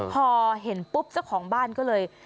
พอเห็นปุ๊บเจ้าของบ้านก็เลย